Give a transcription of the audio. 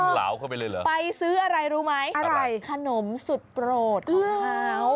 หล่าวเข้าไปเลยเหรออะไรขนมสุดโปรดของเขา